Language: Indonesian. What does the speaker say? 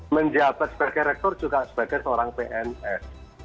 menjabat sebagai rektor juga sebagai seorang pns